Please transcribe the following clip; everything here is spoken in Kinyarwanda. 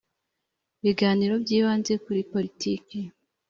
ibiganiro byibanze kuri politiki